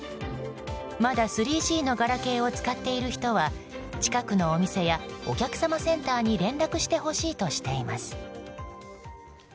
まだ３Ｇのガラケーを使っている人は近くのお店やお客様センターに連絡してほしいとしています。